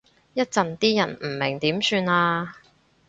一陣啲人唔明點算啊？